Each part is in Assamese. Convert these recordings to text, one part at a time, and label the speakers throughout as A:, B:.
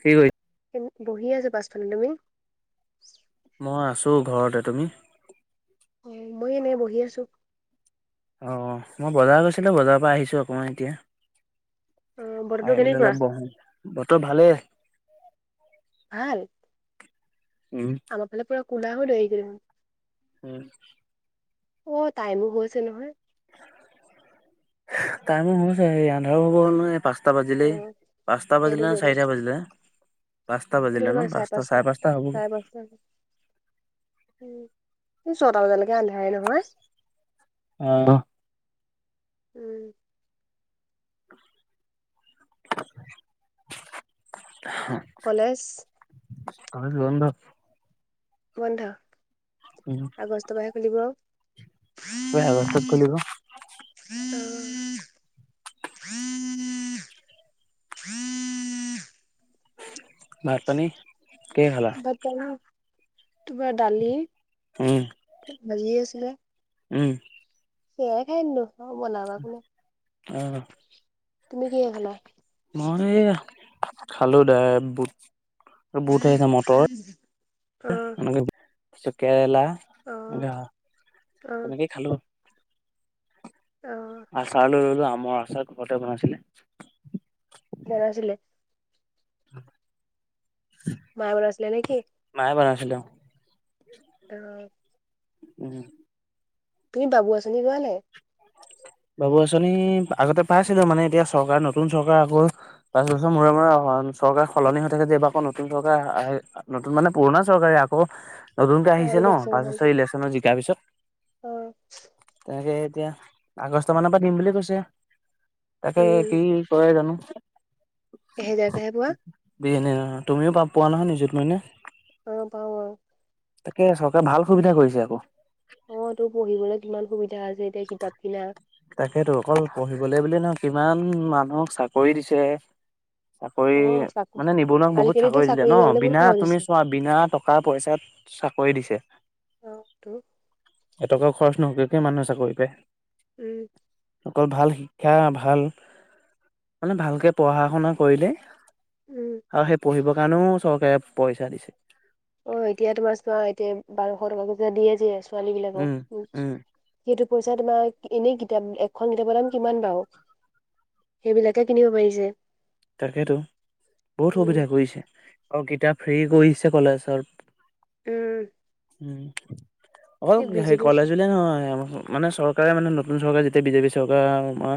A: কি, এ
B: বহিয় আছ, পাছখনত তুমি
A: মই আছো, ঘৰতে তুমি
B: অ, মই এনেই, বহি আছো।
A: অ, মই বজাৰ গৈছিলো, বজাৰৰ পৰা আহিছো অকমান এতিয়া।
B: অ বতৰটো
A: আহি পেনে
B: কেনেকুৱা
A: অলপ বহো। বতৰ ভালেই।
B: ভাল।
A: উম
B: আমাৰ ফালে পুৰা কলাহ দে
A: উম।
B: অ, টাইমো হৈছে নহয়।
A: টাইমো হৈছে, আন্ধাৰ হ'ব হ'ল, নহয়। পাঁচ পাঁচটা
B: অ
A: বাজিলেই। পাঁচটা বাজিলে ন, চাৰিটা বাজিলে। পাঁচটা বাজিলে
B: এনে, ম,
A: ন
B: চাৰে পাঁচটা,
A: হ'বগে
B: চাৰে পাঁচটা, উম। ছয়টা বজালৈকে আন্ধাৰেই নহয়।
A: আহ।
B: উম।
A: [inaudible]
B: কলেজ
A: [inaudible]
B: বন্ধ, আগষ্ট মাহে খুলিব আৰু।
A: বস্থত কলিব। ভাত, পানী, কেই খালা।
B: ভাত পানী তোমাৰ দালি,
A: উম
B: ক, ভাজি আছে।
A: উম।
B: সেয়াই খাইনো, অ, বনাবা কোনে
A: অ
B: তুমি কিহে, খা
A: মই খালো দাই, বুট, বুট আহিছে মটৰ
B: অ
A: [unintelligible] কেৰেলা,
B: অ অ
A: তেনেকেই খালো।
B: অ',
A: আচাৰ লৈ ৰলো, আমাৰ আচাৰ ঘৰতে ব, আছিলে।
B: জনান, আছিলে।
A: [inaudible]
B: মাহট আচিলে, নেকি।
A: নাই বনাইছিলো।
B: উ।
A: উম।
B: তুমি বাবু আঁচনি পোৱা নে।
A: বাবু আচনি আগতে পাইছিলো, মানে এতিয়া চৰকাৰ নতুন চৰকাৰ আকৌ পাঁচ বছৰ মূৰে, মূৰে চৰকাৰ সলনি হৈ থাকে, যে এইব আকৌ নতুন চৰকাৰ আহে, নতুন মানে পুৰণা চৰকাৰে আকৌ নতুনক
B: অ',
A: আহিছে ন, পাঁচ বছৰ, ইলেকশ্যনত জিকাৰ পিছত
B: আহ।
A: এনেকে এতিয়া আগষ্ট মানৰ পৰা দিম বুলুলিয়ে কৈছে, তাকে কি কৰে জানো।
B: এহে, জেগ হে, পোৱা।
A: বি, এনে, নহয়, তুমিও পাপ, পোৱা নহয়, নিজত মাইনা।
B: অ, পাও অ'।
A: তাকে চৰকাৰে ভাল সুবিধা কৰিছে আকৌ।
B: অ' তোৰ পঢ়িবলৈ কিমান সুবিধা আছে, এতিয়া কিতাপ কিনা
A: তাকেতো অকল পঢ়িবলে বুলি নহয়, কিমান মানুহক চাকৰি দিছে। চাকৰি
B: অ', চাক
A: মানে নিবনুৱাক বহুত
B: আজিকালিতো
A: চাকৰি দিলে ন'
B: পাবলৈ বহুত
A: বিনা
B: সহজ
A: তুমি
B: হৈছে
A: চোৱা বিনা টকা পইচাত কৰি দিছে।
B: অ' তো।
A: এটকাও খৰচ নকৰাকে মানুহে চাকৰি পায়।
B: উম।
A: অকল ভাল শিক্ষা, ভাল মানে ভালকে পঢ়া শুনা কৰিলেই
B: উম,
A: আৰু সেই পঢ়িবৰ কাৰণেও চৰকাৰে পইচা দিছে।
B: অ' এতিয়া তোমাৰা এতিয়া বাৰশ টকা কে দিয়ে যে আছে।
A: উম
B: ছোৱালীবিলাকক।
A: উম
B: সেইটোত পইচা তোমাৰ, এনেই কিতাপ এখন কিতাপৰ দাম কিমান বাৰু? সেইবিলাকে কিনিব পাৰিছে।
A: তাকেতো বহুত সুবিধা
B: উম,
A: কৰি দিছে। আৰু কিতাপ ফ্ৰী কৰি দিছে কলেজৰ।
B: উম।
A: হু, অকল
B: এই
A: হেৰি
B: বিজেপিৰ চব
A: কলেজলে নহয় আমাৰ মানে চৰকাৰে মানে নতুন চৰকাৰ যেতিয়া বিজেপি চৰকাৰ আম-আমাৰ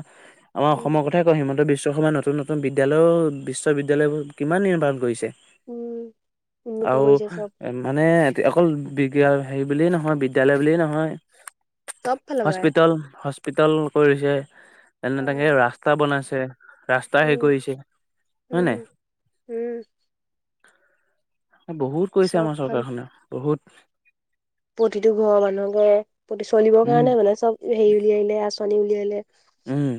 B: উম,
A: অসমৰ কথাই কয়। হিমন্ত বিশ্ব ৰাজ্যসভাৰ নতুন নতুন বিদ্যালয় বিশ্ববিদ্যালয়বোৰ কিমান নিৰ্বাৰণ কৰিছে।
B: উম, উন্নত
A: আৰু
B: কৰিছে চব
A: এ, মানে অকল বিগ হেৰি বুলিয়ে নহয় বিদ্যালয় বুলিয়ে নহয়।
B: চব ফালৰ পৰাই
A: হস্পিতল হস্পিতাল কৰিছে, তেনে তেকে ৰাস্তা বনাইছে। ৰাস্তা হেৰি
B: উম
A: কৰিছে। হয় নাই?
B: উম উম
A: বহুত কৰিছে
B: চব
A: আমাৰ
B: ফাল
A: চৰকাৰখনে বহুত।
B: প্ৰতিটো ঘৰৰ মানুহকে প্ৰতি চলিবৰ
A: উম
B: কাৰণে মানে চব হেৰি উলিয়াইলে আঁচনি উলিয়াইলে।
A: উম।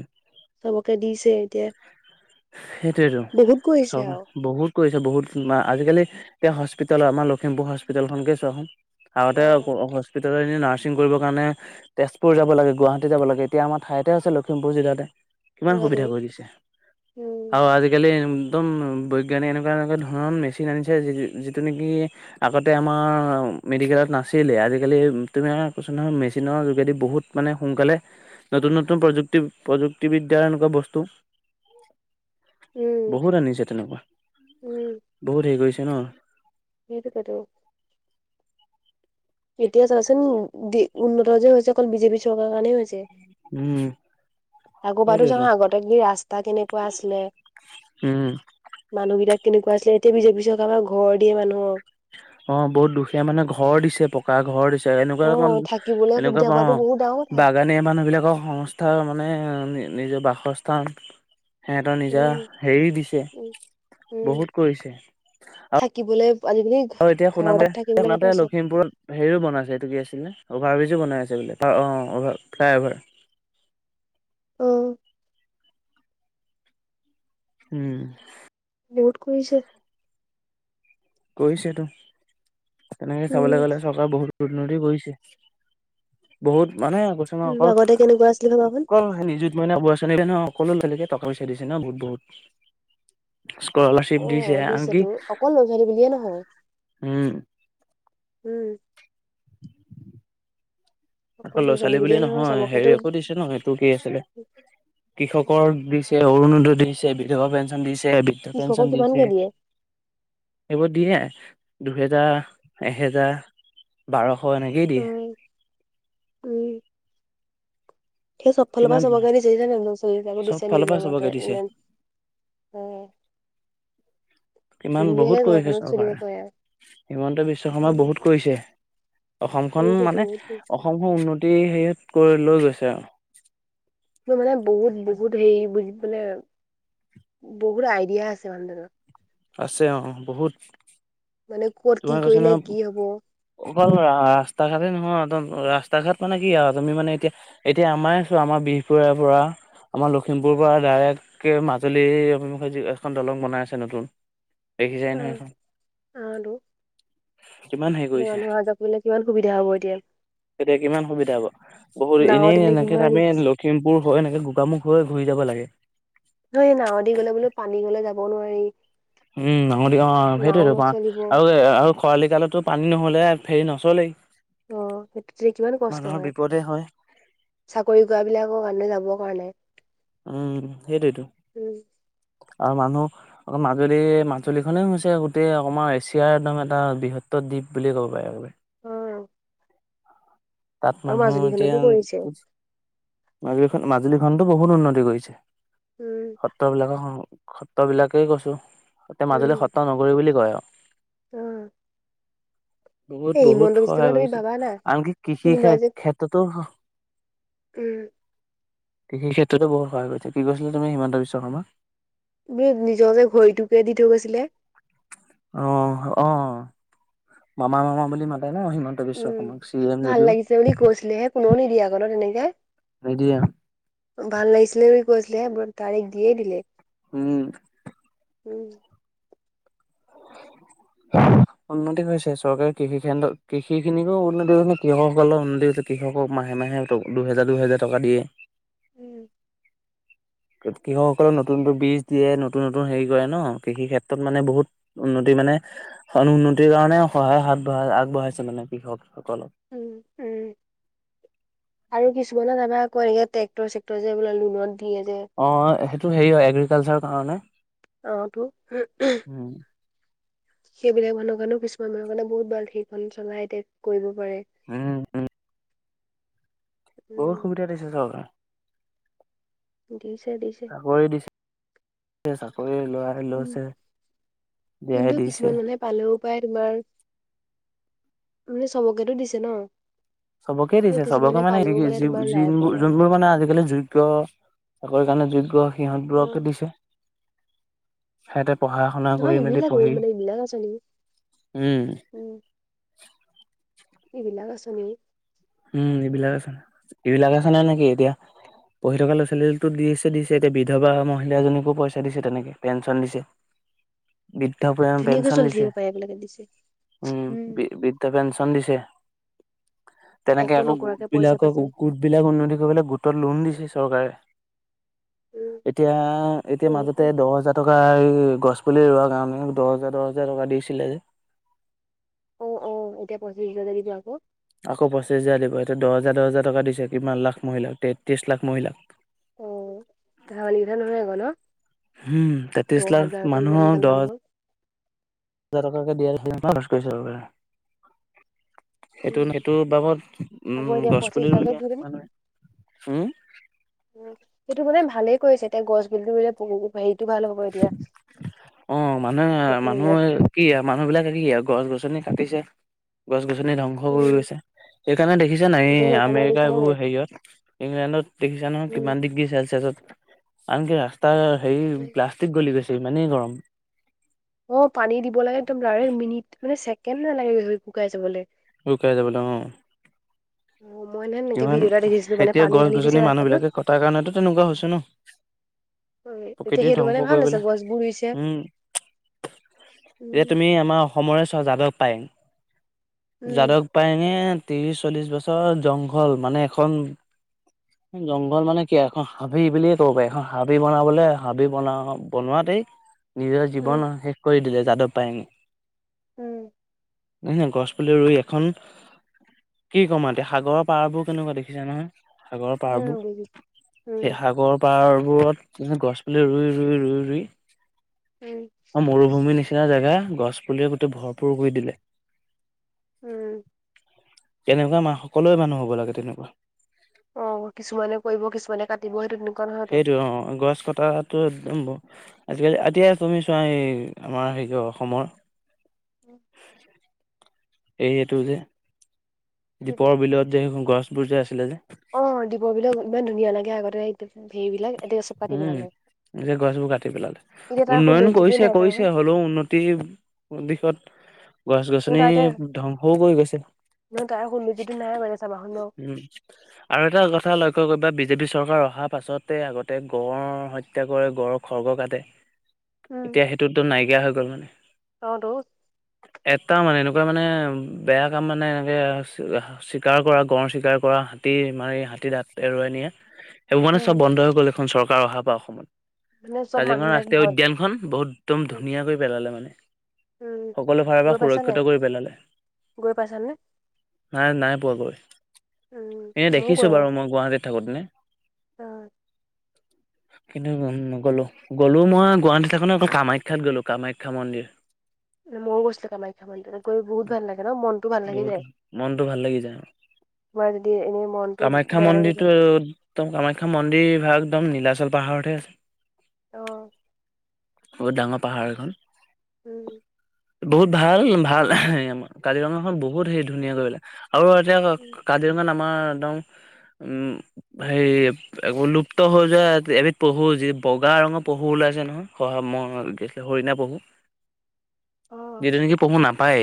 B: চবকে দিছে এতিয়া।
A: সেইটোয়েইতো।
B: বহুত কৰিছে আৰু
A: চৰকাৰে বহুত কৰিছে বহুত, আজিকালি এতিয়া হস্পিতালৰ আমাৰ লখিমপুৰ হস্পিতলখনকে চোৱাচোন। আগতে উ, হস্পি হস্পিতালত এ, নাৰ্ছিং কৰিবৰ কাৰণে তেজপুৰ যাব লাগে, গুৱাহাটী যাব লাগে, এতিয়া আমাৰ ঠাইতে আছে লখিমপুৰ জিলাতে। কিমান
B: সিহঁতো
A: সুবিধা কৰি দিছে
B: উম
A: আৰু আজিকালি একদম বৈজ্ঞানিক এনেকুৱা এনেকুৱা ধৰণৰ মেচিন আনিছে যি-যিটো নেকি আগতে আমাৰ মেডিকেলত নাছিলে। আজিকালি তুমি কৈছোঁ নহয় মেচিনৰ যোগেদি বহুত মানে সোনকালে নতুন নতুন প্ৰযুক্তি প্ৰযুক্তিবিদ্যাৰ এনেকুৱা বস্তু।
B: উম
A: বহুত আনিছে তেনেকুৱা, বহুত হেৰি কৰিছে ন'?
B: হেইটোকেতো। এতিয়া চাচোন দি উন্নত যে হৈছে অকল বিজেপি চৰকাৰৰ কাৰণেই হৈছে।
A: উম।
B: আগৰবাৰতো চা
A: সেইটোৱেতো
B: আগতে ৰাস্তা কেনেকুৱা আছিলে।
A: উম
B: মানুহবিলাক কেনেকুৱা আছিলে, এতিয়া বিজেপি চৰকাৰৰপৰা ঘৰ দিয়ে মানুহক।
A: অ' বহুত দুখীয়া মানুহক ঘৰ দিছে, পকা ঘৰ দিছে, এনেকুৱা
B: অ
A: কন
B: থাকিবলৈ
A: এনেকুৱা
B: সুবিধা
A: পাওঁ
B: পোৱাতো
A: অ'।
B: বহুত ডাঙৰ কথা
A: বাগানে মানুহবিলাকৰ সংস্থা মানে নিজৰ বাসস্থান সিহঁতৰ নিজা
B: উম
A: হেৰি দিছে,
B: উম, উম,
A: বহুত কৰিছে। আৰু
B: থাকিবলৈ আজিকালি
A: অ' এতিয়া
B: ঘৰ
A: শুনাম
B: এটাত থাকিবলৈ
A: সাতে
B: মাত্ৰ আছে।
A: লখিমপুৰত হেৰিও বনাইছে হেইটো কি আছিলে অভাৰ ব্ৰিজ। বনাই আছে বোলে। অ' ফ্লাই অভাৰ।
B: অ'।
A: উম।
B: বহুত কৰিছে।
A: কৰিছেতো। তেনেকে
B: উম,
A: চাবলৈ গ'লে চৰকাৰে বহুত ননদী গৈছে। বহুত [unintelligible] পইচা
B: উম,
A: দিছে ন
B: আগতে কেনেকুৱা আছিলে ভাবাচোন।
A: বহুত বহুত। স্কলাৰশ্বিপ দিছে
B: অ',
A: আনকি
B: তোৰ অকল ল'ৰা ছোৱালী বুলিয়ে নহয়।
A: উম।
B: উম।
A: আকৌ ল'ৰা ছোৱালী বুলিয়ে নহয়, হেৰি আকো দিছে ন এইটো কি আছিলে কৃষক কৰ দিছে, অৰুণোদয় দিছে, বিধৱা পেঞ্চন দিছে বদ্ধ
B: কৃষকক
A: পেঞ্চন দিছে,
B: কিমানকে দিয়ে।
A: এইবোৰ দিয়ে দুহেজাৰ, এহেজাৰ, বাৰশ এনেকেই দিয়ে।
B: উম, উম। চব ফালৰ পৰা
A: কিমান
B: চবকে দিচে।
A: চব
B: [unintelligible]
A: ফালৰ
B: নিজৰ
A: পৰা চবকে
B: মতে
A: দিছে
B: মানে
A: [unintelligible] কিমান
B: ধুনীয়াকে
A: বহুত কৰিছে
B: ঘৰখনত চলিব
A: চৰকাৰে,
B: পাৰে আৰু,
A: হিমন্ত বিশ্ব শৰ্মা
B: উম,
A: বহুত কৰিছে। অসমখন
B: কৰিছেতো
A: মানে
B: বহুত
A: অসমখন উন্নতি হেৰিত কৰি লৈ গৈছে আৰু।
B: মোৰ মানে বহুত বহুত হেৰি বুজি বহুত আইডিয়া আছে মানুহজনৰ।
A: আছে অ। বহুত
B: মানে কত কি
A: তোমাৰ কৈছে
B: কৰিলে
A: নহয়
B: কি হব।
A: অকল ৰাস্তা ঘাটে নহয়, ৰাস্তা ঘাট মানে কি আৰু তুমি মানে এতিয়া এতিয়া আমাৰ ছোৱা আমাৰ বি [unintelligible] আমাৰ লখিমপুৰ পৰা ডাৰেক মাজুলীৰ অভিমুখে এখন দলং বনাই আছে নতুন। দেখিছায় নহয়
B: অ'।
A: সেইখন।
B: অটো [unintelligible] কিমান সুবিধা হ'ব এতিয়া
A: এতিয়া কিমান সুবিধা হব। বহুত
B: নাৱত
A: এনেই
B: এনে
A: এনেকে
B: কিমান
A: আমি
B: ৰিক্স
A: লখিমপুৰ হৈ এনেকে গোগামুখ হৈ ঘূৰি য যাব লাগে।
B: নাৱেদি গলে বোলো পানী গলে যাব নোৱাৰি।
A: উম নাঙতি অ
B: নাও
A: সেইটোয়েতো
B: নচলিব
A: আৰু আৰু খৰালি কালতো পানী নহ'লে ফেৰি নচলেই।
B: অ সেইটো কিমান কষ্ট
A: মানুহৰ
B: হয়।
A: বিপদে হয়
B: চাকৰি কৰা বিলাকৰ কাৰণে যাব [unintelligible]
A: উম সেইটোৱেটো। আৰু মানুহ আকৌ মাজুলী মাজুলী খনেই হৈছে গোটেই অকমাৰ এছিয়াৰ একদম এটা বৃহত্তৰ দ্বীপ বুলি কব পাৰে
B: উম।
A: তাত মানুহ এতিয়া
B: কৰিছে
A: মাজুলীখন মাজুলীখনতো বহুত উন্নতি কৰিছে।
B: উম
A: সত্ৰ বিলাকক সত্ৰ বিলাকেই কৈছো। এতিয়া মাজুল সত্ৰ নকৰি বুলি কয় আৰু।
B: অহ।
A: বহুত বহুত সহায়
B: তুমি
A: কৰিছো।
B: ভাবা না
A: আনকি কৃষি ক্ষেত্ৰতো
B: উম।
A: কৃষিৰ ক্ষেত্ৰতো বহুত সহায় কৰিছে। কি কৈছিলা তুমি হিমন্ত বিশ্ব শৰ্মা?
B: [unintelligible]
A: অ অ মামা মামা বুলি মা মতে ন হিমন্ত বিশ্ব
B: উম
A: শৰ্মাক চি এম যদিও।
B: [unintelligible] তেনেকাই
A: নিদিয়ে
B: ভাল লাগিছিলে [unintelligible]
A: উম।
B: উম।
A: [unintelligible] উন্নতি হৈছে। চৰকাৰে কৃষিৰ কৃষি খিনিকো উন্নতি কৃষকসকলেৰ উন্নতি কৃষক মাহ মাহে, মাহে দুহেজাৰ, দুহেজাৰ টকা দিয়ে।
B: উম
A: [inaudible] কৃষকসকলে নতুন, নতুন বীজ দিয়ে, নতুন, নতুন হেৰি কৰে ন, কৃষি ক্ষেত্ৰত মানে বহুত উন্নতি মানে। উন্নতিৰ কাৰণে সহায় আগবঢ়াই, আগবঢ়াইছে মানে কৃষক
B: উম, উম আৰু কিছুমানত আমা কয় যে একে টেক্টৰ-চেক্টৰ যে বোলে লোনত দিয়ে যে
A: অ', সেইটো হেৰি হয় এগ্ৰিকালচাৰ কাৰণে।
B: অ', এইবোৰ।
A: উম
B: সেইবিলাক মানুহ কাৰণেও কিছুমান মানুহৰ কাৰণে বহুত [unintelligible] সেইখন চলাই কৰিব। কৰে।
A: উম উম বহুত সুবিধা দিছে চৰকাৰে।
B: দিছে, দিছে।
A: এ, চাকৰি লৰাই
B: উম,
A: লৈছে দিয়াই
B: কিন্তু
A: দিছে
B: কিছুমান মানে পালেও পায় তোমাৰ মানে চবকেতটো দিছে ন?
A: চবকে
B: আৰু
A: দিছে চবকে
B: কিছুমানে
A: মানে,
B: পালেও তোমাৰ নাই পোৱা ন
A: যোৰ-যোনবোৰ মানে আজিকালি যোগ্য। চাকৰি কাৰণে যোগ্য
B: অ
A: সিহঁতবোৰকে দিছে, সিহঁতে পঢ়া শুনা কৰি
B: নহয়
A: মেলি
B: এইবিলাকো
A: পঢ়ি
B: মানে এইবিলাক আঁচনি
A: উম,
B: উম
A: [unintelligible]
B: এইবিলাক আঁচনি।
A: উম, এইবিলাকে আঁচনি, এইবিলাকে আঁচনি মানে কি এতিয়া পঢ়ি থকা ল'ৰা ছোৱালীতো দিছে, দিছে এতিয়া বিধৱা মহিলাজনিকো পইচা দিছে, তেনেকে পেঞ্চন দিছে। বৃদ্ধ
B: ধুনীয়াকে
A: পে-পেঞ্চন
B: চলি
A: দিছে,
B: থাকিব পাৰে এইবিলাকে দিছে
A: উম, বৃদ্ধ পেঞ্চন দিছে। তেনেকে
B: একো
A: আকৌ
B: নকৰাকে পইচা
A: গোটবিলাকক,
B: পাইছে
A: গোটবিলাক উন্নতি কৰিবলৈ, গোটত লোন দিছে চৰকাৰে।
B: উম
A: এতিয়া, এতিয়া
B: বহুত
A: মাজতে
B: পইচা
A: দহ হাজাৰ টকা গছপুলি ৰোৱা কাৰণে দহ হাজাৰ, দহ হাজাৰ টকা দিছিলে।
B: অ', অ', এতিয়া পঁচিছ হাজাৰ টকাকে দিব আকৌ।
A: আকৌ পঁচিছ হাজাৰ দিব, এতিয়া দহ হজাৰ, দহ হাজাৰ টকা দিছে কিমান লাখ মহিলাক, তেত্ৰিশ লাখ মহিলাক।
B: উম, [unintelligible] মানুহ নহয় আকৌ ন'?
A: উম, তেত্ৰিশ
B: দহ
A: লাখ
B: হাজাৰকে ইমান গাল
A: মানুহক দহ হা
B: মানুহৰ
A: হাজাৰ টকাকে দিয়াৰ সিদ্ধান্ত গ্ৰহণ কৰিছে চৰকাৰে। সেইটো,
B: উম,
A: সেইটো বাবদ
B: আকৌ
A: উম
B: এতিয়া
A: গছ
B: পঁচিছ
A: পুলি
B: হাজাৰকে
A: ৰুলে
B: দি দিম
A: মানে। হম?
B: উম সেইটো মানে ভালেই কৰিছে। এতিয়া গছ [unintelligible] হেৰিটো ভাল হ'ব এতিয়া।
A: অ',
B: সেইটো হেৰিয়ত
A: মানুহে-মানুহৰ কি মানুহবিলাকে কি আৰু, গছ-গছনি কাটিছে। গছ-গছনি ধ্বংস কৰি
B: উম,
A: গৈছে। সেইকাৰণে দেখিছা নাই,
B: এতিয়া
A: এই
B: সেইকাৰণে দিছে
A: আমেৰিকাৰ
B: নে নাই?
A: এইবোৰ হেৰিয়ত, ইংলেণ্ডত দেখিছা নহয়
B: উম
A: কিমান ডিগ্ৰী চেলচিয়াছত। আনকি ৰাস্তাৰ হেৰি প্লাষ্টিক গলি গৈছে, ইমানেই গৰম।
B: অ', পানী দিব লাগে, একদম ডাইৰেক্ট মিনিট মানে ছেকেণ্ড নালাগে শুকাই যাবলৈ।
A: শুকাই যাবলৈ, অ'।
B: অ মই নে এনেকে
A: ইমান,
B: ভিডিঅ' এটা দেখিছিলো মানে
A: এতিয়া
B: পানী ঢালি দিছে
A: গছ-গছনি
B: ৰাস্তাটোত
A: মানুহবিলাকে কটাৰ কাৰণেতো তেনেকুৱা হৈ হৈছে ন।
B: এতিয়া
A: প্ৰকৃতি
B: সেইটো
A: ধ্বংস
B: কাৰণে ভাল হৈছে
A: কৰিবলৈ,
B: গছবোৰ ৰুইছে
A: উম। এতিয়া
B: উম
A: তুমি আমাৰ অসমৰে যাদৱ পায়েং,
B: উম
A: যাদৱ পায়ঙে ত্ৰিশ-চল্লিশ বছৰ জংঘল ঘল মানে এখন জংঘল মানে কি, এখন হাবি বুলিয়ে ক'ব পাৰি, এখন হাবি বনাবলৈ, হাবি বনা- বনোৱাত তেই নিজৰ জীৱন
B: উম
A: শেষ কৰি দিলে, যাদৱ পায়েঙে।
B: উম,
A: [unintelligible] গছপুলি ৰুই এখন কি ক'ম আৰু এতিয়া সাগৰত পাৰবোৰ কেনেকুৱা দেখিছা নহয়, সাগৰৰ
B: উম
A: পাৰবোৰ?
B: দেখিছো উম
A: সেই সাগৰৰ পাৰ -ৰত গছপুলি ৰুই, ৰুই, ৰুই, ৰুই
B: উম
A: অ', মৰুভূমিৰ নিচিনা জেগা, গছপুলিয়ে গোটেই ভৰপূৰ কৰি দিলে।
B: উম।
A: তেনেকুৱা মা, সকলোৱে মানুহ হ'ব লাগে, তেনেকুৱা।
B: অ', কিছুমানে কৰিব, কিছুমানে কাটিব সেইটো নহয়তো।
A: সেইটোৱে, অ', অ', গছ, কটাটো একদম বন্ধ আজি, কালি, এতিয়া তুমি চোৱা এই আমাৰ হেৰি অসমৰ [inaudible] এই, এইটো যে, দীপৰ বিলত যে, গছবোৰ যে, আছিলে যে
B: অ, দীপৰ বিলৰ ইমান ধুনীয়া লাগে, আগতে হেৰিবিলাক এতিয়া চব কাটি পেলালে।
A: গোটেই গছবোৰ কাটি পেলালে।
B: এতিয়া তাৰ
A: উন্নয়ন
B: সৌন্দৰ্যটোৱে
A: কৰিছে,
B: নাই
A: কৰিছে,
B: চাবাচোন
A: হ'লেও উন্নতি দিশত গছ,
B: নহয়
A: গছনি
B: তাৰ এতিয়া
A: ধ্বংসও কৰি গৈছে।
B: নহয় তাৰ সৌন্দৰ্যটো নাই মানে চাবাচোন ন।
A: উম, আৰু এটা কথা লক্ষ্য কৰিবা। বিজেপি চৰকাৰ অহাৰ পাছতে, আগতে, গড়ৰ হত্যা কৰে, গড়ৰ খৰ্গ কাটে।
B: উম
A: এতিয়া সেইটোতো নাইকিয়া হৈ, গ'ল মানে।
B: অ, তো।
A: এটা মানে, এনেকুৱা মানে বেয়া কাম মানে, এনেকে চিকাৰ কৰা, গড় চিকাৰ কৰা হাতী মাৰি হাতী দাঁত এৰুওৱাই নিয়ে, সেইবোৰ মানে চব
B: উম
A: বন্ধ হৈ, গ'ল, এইখন চৰকাৰ অহাৰ পৰা অসমত।
B: মানে চব
A: কাজিৰঙা
B: মানুহবিলাক
A: ৰাষ্ট্ৰীয়
B: ভয়
A: উদ্যানখন বহুত একদম
B: উম
A: ধুনীয়া কৰি পেলালে, মানে।
B: উম
A: সকলো ফালৰ পৰা
B: গৈ পাইছা নাই
A: সুৰক্ষিত কৰি পেলালে।
B: গৈ পাইছা নে?
A: নাই, নাই, পোৱাকৈ
B: উম
A: এনে
B: ময়ো গৈ
A: দেখিছো
B: নাই
A: বাৰু, মই গুৱাহাটীত থাকোতে।
B: অ'।
A: [inaudible] কিন্তু নগ'লো, গ'লো মই গুৱাহাটী থাকো ন, অকল কামাখ্যাত গ'লো, কামাখ্যা মন্দিৰ।
B: ম, ময়ো গৈছিলো, কামাখ্যা মন্দিৰত গৈ বহুত ভাল লাগে ন, মনটো ভাল লাগি
A: বহুত
B: যায়।
A: মনটো ভাল লাগি যায়
B: তোমাৰ যদি এনেই মনটো
A: কামাখ্যা
B: বেয়া লাগি থাকিলে
A: মন্দিৰটো, কামাখ্যা মন্দিৰ ভাগ একদম নীলাচল পাহাৰতহে আছে।
B: অ'।
A: বহুত ডাঙৰ পাহাৰ এখন।
B: উম।
A: বহুত ভাল, ভাল হ, আমাৰ কাজিৰঙাখন বহুত হেৰি ধুনীয়া কৰিলে। আৰু
B: উম
A: এতিয়া কাজিৰঙাত আমাৰ একদম হেৰি একোপ ক্ত হৈ যোৱা এবিধ পহু যি বগা ৰঙৰ পহু ওলাইছে নহয়, শহা হৰিণা পহু।
B: অ'
A: যিটো নেকি পহু নাপায়।